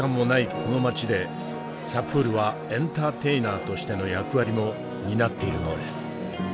この街でサプールはエンターテイナーとしての役割も担っているのです。